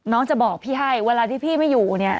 น้องจะบอกพี่ให้เวลาที่พี่ไม่อยู่เนี่ย